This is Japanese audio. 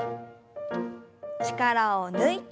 力を抜いて。